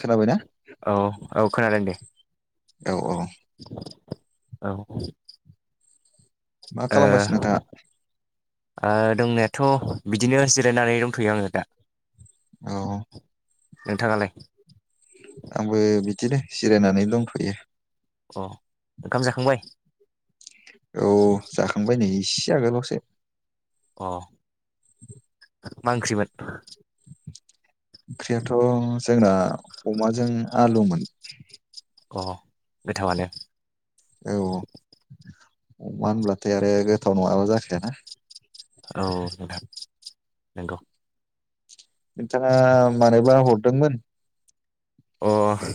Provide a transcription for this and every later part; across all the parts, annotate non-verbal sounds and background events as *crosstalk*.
खोनाबायना औ औ खोनादों दे औ औ। औ। मा खालामगासिनो नोंथांङा? ओ दंनायाथ' बिदिनो जिरायनानै दंथ'यो आङो दा। औ नोंथाङालाय आंबो बिदिनो जिरायनानै दंथ'यो। अह ओंखाम जाखांबाय? औ जाखांबाय नै इसे। दाबावैसो। अ मा ओंख्रिमोन? ओंख्रियाथ' जोंना अमाजों आलुमोन। अ गोथावानो। औ अमा होनब्लाथाय आरो गोथाव नङाबा जाखायाना। औे नोंथां। नंगौ। नोंथाङा मानोबा हरदोंमोन? अह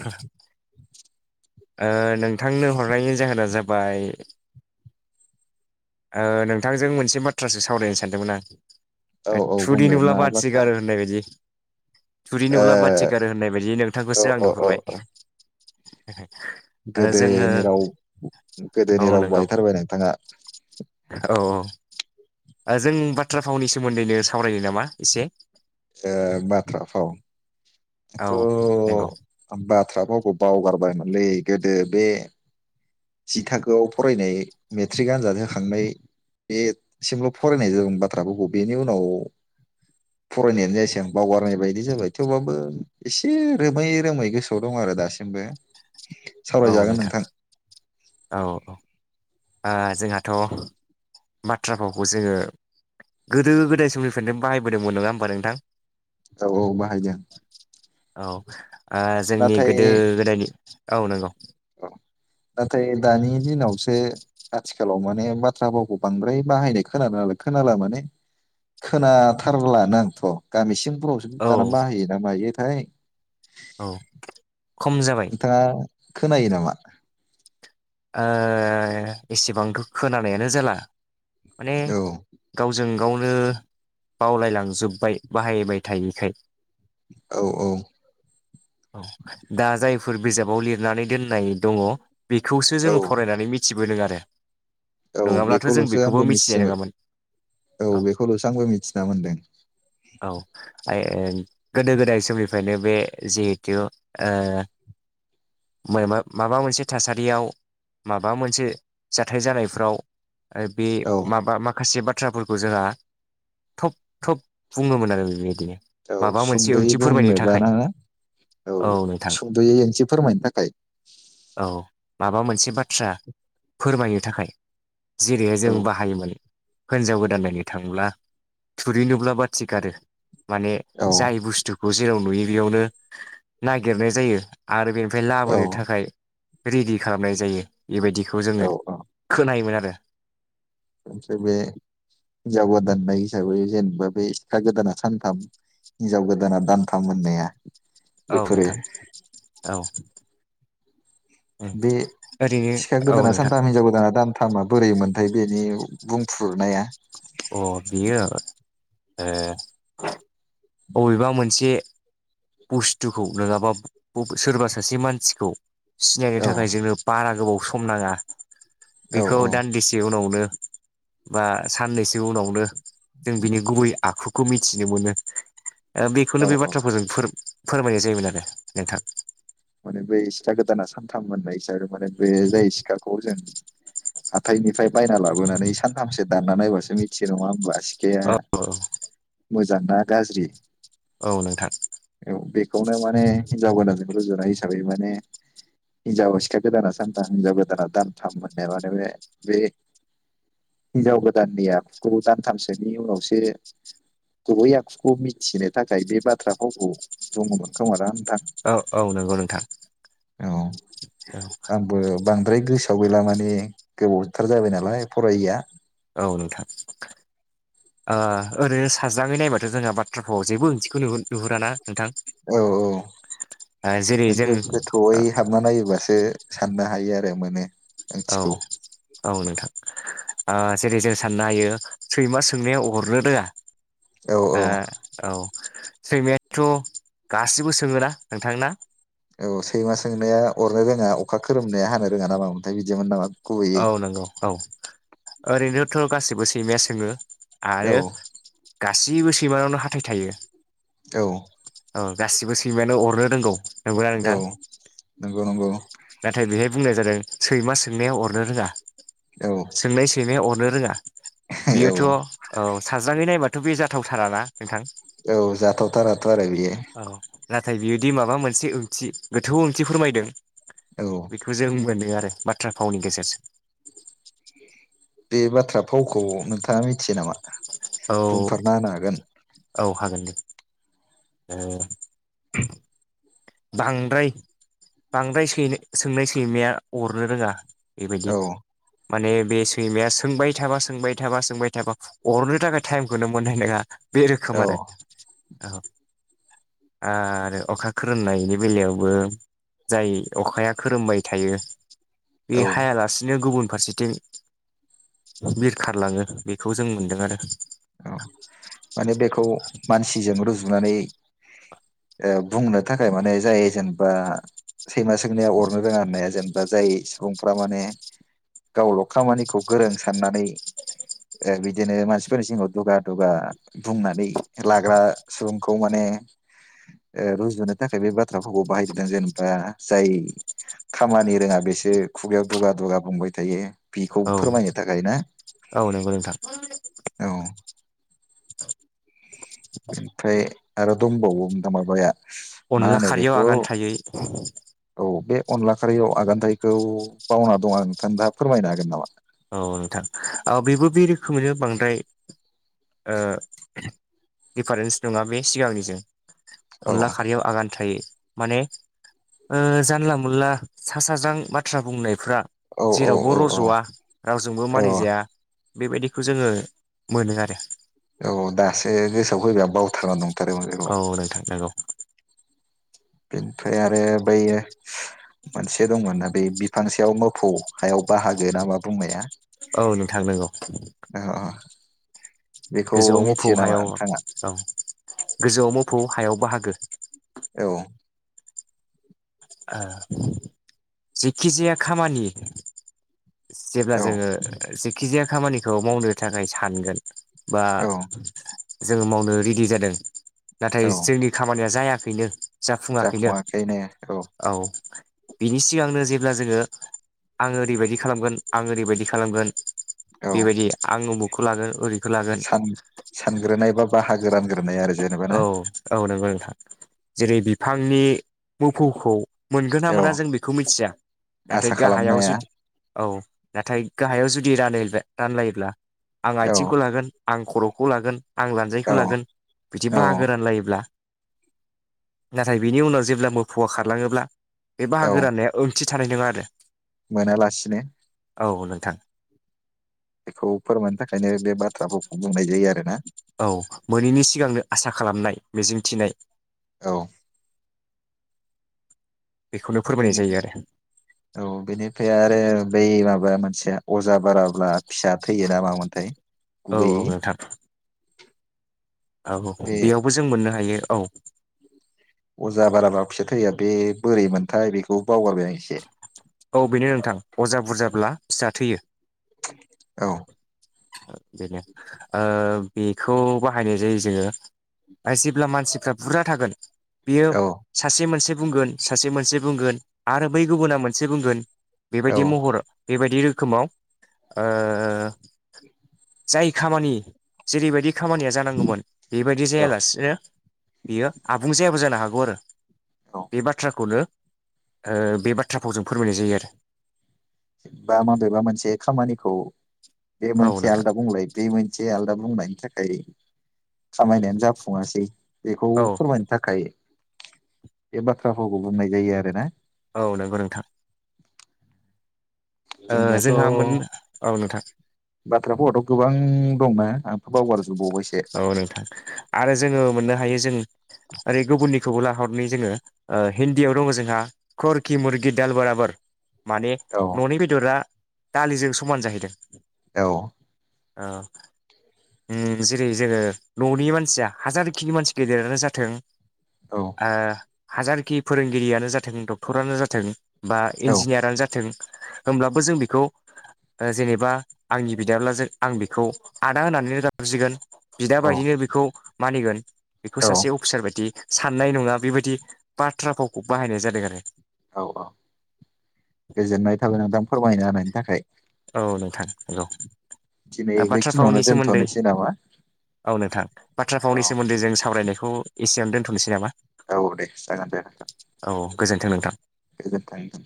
ओ नोंथांनो हरनायनि जाहोना जाबाय ओ नोंथांजों मोनसे बाथ्रासो सावरायनो सानदोंमोन औ आं। औ बुंलाय मा थुरिनुब्ला बाथि बाथ्रा गारो होननाय बायदि। थुरि नुब्ला बाथि गारो होननाय बायदि ओ नोंथांखौसो आं औ औ नुहरबाय। *unintelligible* गोदोनि राव औ गोदोनि राव नंगौ बाहायथारबाय नोंथाङा। औ औ। ओ जों बाथ्रा फावनि सोमोन्दैनो सावरायनो नामा एसे? एह बाथ्रा फाव। औ दाथ' नंगौ आं बाथ्रा फावखौ बावगारबायमोनलै गो दो बे जि थाखोआव फरायनाय मेट्रिक आनजाद होखांनाय बेसिमल' फरायनाय जादों बाथ्राफोरखौ बेनि उनाव फरायनायानो जायासै आं। बावगारनाय बायदि जाबाय थेवबाबो एसे रोमै रोमै गोसोआव दं आरो दासिमबो। सावरायजागोन नोंथां। औ औ। ओ जोंहाथ' बाथ्रा भावखौ जोङो गोदो गोदाय समनिफ्रायनो बाहायबोदोंमोन नङा होमबा नोंथां? औ औ बाहायदों। औ। ओ जोंनि नाथाय गोदो गोदायनि औ नंगौ। नाथाय दानि दिनावसो आथिखालाव माने बाथ्रा भावखौ बांद्राय बाहायनाय खोनानो खोनाला माने खोनाथारलानो आंथ' गामिसिम। उनावसो औ दाना बाहोयो ना मायो आइ औ खम जाबाय। नोंथाङा खोनायो नामा? ओ एसेबांथ' खोनानायानो जाला माने औ गावजों गावनो बावलायलांजोब्बाय बाहायबाय थायिखाय। औ-औ औ दा जायफोर बिजाबाव लिरनानै दोननाय दङ बि खौसो औ जोङो फरायनानै मिथि बोदो आरो औ नङाब्लाथ' जों बेखौलसो बेखौबो आंबो मिथिनाय मिथियामो नङामोन औ बेखौल'सो आंबो मिथिना मोनदों ओं गोदो गोदाय समनिफ्रायनो बे जिहेथु ओ मायबा माबा मोनसे थासारि रियाव माबा मोनसे जाथाय जानायफ्राव ओ बे औ माबा माखासे बाथ थ्राफोरखौ जोंहा थब थब बुंङोमोन आरो बेबायदिनो औ माबा मोनसे सुंदयै ओंथि फोरमायनो बुंनोबा थाखाय नाना औ सुंदयै एसे फोरमायनो थाखाय। औ माबा मोनसे बाथ्रा फोरमायनो थाखाय। जेरैहाय औ जों बाहायमोन हिनजाव गोदान नायनो थांब्ला थुरि नुब्ला बाथि गारो। माने औ जाय बुस्थुखौ जेराव नुयो बेयावनो नागिरनाय जायो आरो बेफ फ्राय औ लाबोनो थाखाय। रिदि खालामनाय जायो बेबायदिखौ जोंङो औ औ खोनायोमोन आरो। ओमफ्राय बे हिनजाव गोदान नाय हिसाबै जेनेबा बे सिखा गोदाना सानथाम हिनजाव गोदाना दानथाम होननाया। औ बेफोरो नोंथां औ। बे ओरैनो सिखा औ गोदाना नोंथां सानथाम हिनजाव गोदाना दानथाम बोरै मोनथाय बेनि बुंफ्रुरनाया अ बियो ए अबेबा मोनसे बुस्थुखौ नंङाबा ब सोरबा सासे मानसिखौ सिनायनो औ थाखाय जोंङो बारा गोबाव सम नाङा औ बेखौ औ दान्दिसे उनावनो बा साननैसो उनावनो जों बिनि गुबै आखुखौ मिथिनो मोनो ओ औ बेखौनो बे औ बाथ्राफोरजों फोरोम फोरमायनाय जायोमोन आरो नोंथां माने बै सिखा गोदाना सानथाम होननाय हिसाबै माने बे जाय सिखाखौ जों हाथायनिफ्राय बायना लाबोनानै सानथामसो दानना नायबासो मिथियो नङा होमबा सि खाया नोंथां मोज जांना गाज्रि औ नोंथां औ बेखौनो माने हिनजाव गोदान जों हिसाबै माने हिनजाव सिखा गोदाना सानथाम हिनजाव गोदाना दानथाम मोननाय माने बे बे हिनजाव गोदाननि आखुखौ दानथामसोनि उनावसो गुबै आखुखौ मिथिनो थाखाय बे बाथ्रा फावखौ दंङ मोन खोमाना औ औ नंगौ नोंथां औ औ आव गैला माने गोबावथार जाबाय नालाय फरायैआ औ नोंथां ओ ओरैनो साज्राङै नायबाथ' जोंहा बा थ्राफ्राव जेबो ओंथिखौनो नुहुन नुहुराना नोंथां औ औ ओ जेरै जों नोंगो गोथौयै हाबना नायोबासो सानना हायो आरो मोनो औ ओंथिखौ औ नोंथां ओ जेरै जों साननो हायो सैमा सोंनाया अरनो रोङा औ औ ओ औ सैमायाथ' गासिबो सोङोना नोंथांना औ सैमा सोंनाया अरनो रोङा अखा खोरोमनाया हानो रोङा नामा ओमफ्राय बिदिमोन नामा गुबैयै औ नंगौ औ ओरैनो थ' गासिबो सैमाया सोङो औ आरो गा सिबो सैमानावनो हाथाय थायो औ औ गासिबो सैमायानो अरनो रोंगौ नंगौना औ नोंथां नंगौ नंगौ नाथाय बेहाय बुंनाय जादों सैमा सोंनाया अ नो रोङा औ सोंनाय सैमाया अरनो रोङा बियोथ' औ साज्राङै नायबा थ' बे जाथावथाराना नोंथां औ जाथावथाराथ' आरो बियो औ नाथाय बियोदि माबा मोनसे ओंथि गोथौ ओंथि फोरमायदों औ बेखौ जों मोनो आरो बाथ्रा फावनि गेजेरजों बे बाथ्रा फावखौ नोंथाङा मिथियो नामा? औ बुंफोरना होनो हागोन औ हागोन दे *unintelligible* बांद्राय बांद्राय सोंनाय सैमाया अरनो रोङा । बेबायदि औ माने बे सैमाया सोंबाय थाबा सोंबाय थाबा सोंबाय थाबा अरनो थाखाय टाइमखौनो मोननाय नोङा बे रोखोम औ आरो औ आरो अखा खो खोरोमनायनि बेलायावबो जाय अखाया खोरोमबाय थायो बे औ हायालासिनो गुबुन फारसेथिं बिरखारलाङो बेखौ जों मोनदों आरो औ माने बेखौ मानसिजों रुजुनानै ओ बुंनो थाखाय माने जाय जेनेबा सैमा सोंनाया अरनो रोङा होननाया जेनेबा जाय सुबुंफ्रा माने गावल' खामानिखौ गोरों साननानै ओ बिदिनो मानसि फोरनि सिङाव दुगा दुगा बुंनानै लाग्रा सुबुंखौ माने ओ रुजुनो थाखाय बे बाथ्राफोरखौ बाहायदो दां जेनेबा जाय खामानि रोङा बेसो खुगायाव दुगा दुगा बुंबाय थायो । औ औ नंगौ नोंथां । औ *inaudible* ओमफ्राय आरो दंबावो नोंथां माबाया मा अनला होनो खारियाव बेखौ आगान थायै औ बे अनला खारियाव आगान थायैखौ बावना दङ आं नोंथां दा फोरमायनो हागोन नामा? औ नोंथां औ बेबो बे रोखोमैनो बांद्राय ओ दिफारेन्स नोङा बे सिगांनिजों औ अनला खारियाव आगान थायै माने ओ जानला मोनला सा साज्रां बाथ्रा बुंनाय फ्रा जेरावबो औ औ रज'वा रावजोंबो औ मानिजाया बेबायदिखौ जोङो मोनो आरो औ दासो गोसोआव फैबाय आं बावथारना दं । औ नोंथां नोंगौ। बिनिफ्राय आरो बैयो मोनसे दंमोना बे बिफां सायाव मोफौ हायाव बाहागो ना मा बुंनाया औ नोंथां नोंगौ। अ बेखौ गोजौआव मोफौ मिथियो नामा हायाव नोंथाङा औ गोजौआव मोफौ हायाव बाहाग गो औ आ जिखिजाया खामानि जेब्ला औ जोङो जिक खिजाया खामानिखौ मावनो थाखाय सानगोन। बा औ जोङो मावनो रेडि जादों। नाथाय जोंनि खामानिया जाया बेनो जाफुंआखै ने औ औ बिनि सिगांनो जेब्ला जोङो आङो ओरैबायदि खालामगोन आं ओरैबायदि खालामगोन औ बेबायदि आं लागोन ओरै सानग्रोनाय बा बाहागो रानग्रोनाय आरो जेनेबा औ ना औ नंगौ नोंथां जेरै बिफांनि *unintelligible* मोनगोन ना मोना औ जों बेखौ मिथिया नाथाय आसा गाहायाव खालामनाया जुदि औ नाथाय गाहायाव जुदि रानलायबाय रानलायोब्ला आं औ आथिंखौ लागोन आं खर'खौ लागोन आं औ लानजायखौ लागोन बिदि औ बाहागो रानलायोब्ला नाथाय बिनि उनाव जेब्ला मो फौआ खारलाङोब्ला बे औ बाहागोरानाया ओ थि थानाय नङा आरो मोनालासिनो औ नोंथां बेखौ फोरमायनो थाखायनो बे बाथ्राफोरखौ बुंनाय जायो आरो ना औ मोनैनि सिगांनो आसा खालामनाय मिजिं थिनाय औ बेखौनो फोरमायनाय जायो आरो औ बेनिफ्राय आरो बै माबा मोन सेया अजा बाराब्ला फिसा थैयो नामा मोनथाय औ औ नोंथां। औ बे बेयावबो जों मोननो हायो। औ अजा बाराबा फिसा थैया बे बोरै मोनथाय बेखौ बावगारबाय आं एसे औ बेनो नोंथां अजा बुरजा ब्ला फिसा थैयो। औ बिनो आ बेखौ बाहायनाय जायो जोङो ओ जेब्ला मानसिफ्रा बुरजा थागोन। बियो औ सासे मोनसे बुंगोन सासे मोनसे बुंगोन आरो बै गुबुना मोनसे बुंगोन औ बेबायदि महर बेबायदि रोखोमाव ओ *inaudible* जाय खामानि जेरैबायदि खामानिया जानांगौमोन बेबायदि औ जायालासिनो बियो आबुं जायाबो जानो हाग औ *unintelligible* बे बाथ्राखौनो ओ बे बाथ्राभावजों फोरमायनाय जायो आरो बा माबेबा मोनसे खामानिखौ बे औ मोनसे नोंथां आलदा बुंलाय बे मोनसे आलदा बुंनाय था खाय खामायनायानो जाफुङासै। बेखौ औ फोरमायनो थाखाय बे बाथ्राभावखौ बुंनाय जायो आरो ना। औ नंगौ नोंथां। ओ जोंनियाथ' जोंहा मोन औ नोंथां बाथ्राभावाथ' गोबां दं ना औ नोंथां आरो जोङो मोननो हायो जों ओरै गुबुननि खौबो लाहरनि जोङो ओ हिन्दियाव दङ' जोंहा खरकि मुरगि दाल बराबोर। माने औ न'नि बेदरा दालिजों समान जाहैदों। औ ओ उम जेरै जोङो न'नि मानसिया हाजारखिनि मानसि गेदेरानो जाथों औ ओ हाजारखि फोरोंगिरियानो जाथों डक्टरानो जाथों बा औ इन्जिनियारानो जाथों होमब्लाबो जों बिखौ जेनेबा आंनि बिदाब्लाजो आं बिखौ आदा होनानैनो गाबजिगोन। बिदा औ बायदिनो बेखौ मानिगोन औ बेखौ सासे अफिसार बायदि साननाय नङा बेबायदि बाथ्रा फावखौ बाहायनाय जादों आरो। औ औ गोजोननाय थाबाय नोंथां फोरमायना होनायनि थाखाय। औ नोंथां हेलौ। दिनै ओ बाथ्रा बेखिनियावनो भावनि सोमोन्दै दोनथ'नोसै नामा औ नोंथां बाथ्रा औ भावनि सोमोन्दै जों सावरायनाय खौ इसिआवनो दोनथ'नोसै नामा? औ दे जागोन दे गोजोनथों नोंथां गोजोन थों